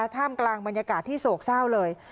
ท่ามกลางบรรยากาศที่โศกเศร้าเลย